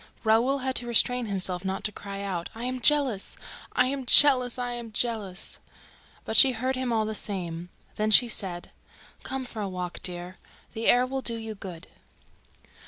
Raoul had to restrain himself not to cry out: "I am jealous! I am jealous! I am jealous!" But she heard him all the same. Then she said: "Come for a walk, dear. The air will do you good."